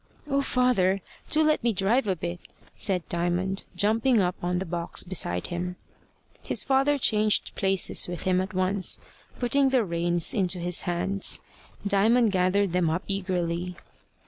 "Oh, father, do let me drive a bit," said Diamond, jumping up on the box beside him. His father changed places with him at once, putting the reins into his hands. Diamond gathered them up eagerly.